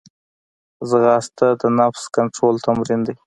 ځغاسته د نفس کنټرول تمرین دی